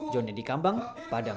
joni dikambang padang